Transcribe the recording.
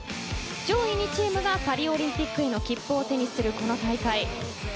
上位２チームがパリオリンピックへの切符を手にするこの大会。